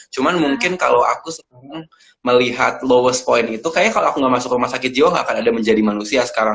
cuman mungkin kalau aku sekarang melihat lowest point itu kayaknya kalau aku gak masuk rumah sakit jiwa gak akan ada menjadi manusia sekarang